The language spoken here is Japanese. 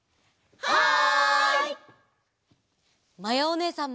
はい。